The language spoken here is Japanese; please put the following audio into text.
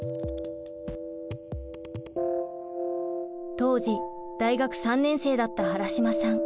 当時大学３年生だった原島さん。